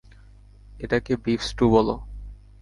এটাকে beef stew বলো।